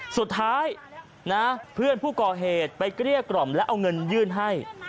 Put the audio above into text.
สุดท้ายนะเพื่อนผู้ก่อเหตุไปเกลี้ยกล่อมและเอาเงินยื่นให้